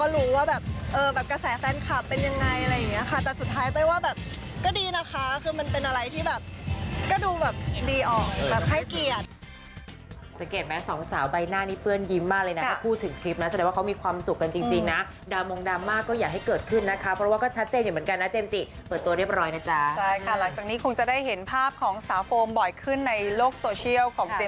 รู้ไม่รู้เปิดได้หรือเปล่าอย่างงี้